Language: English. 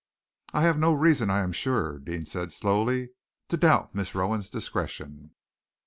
"I have no reason, I am sure," Deane said slowly, "to doubt Miss Rowan's discretion."